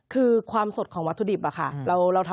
คือความสดของวัตถุดิบอะค่ะ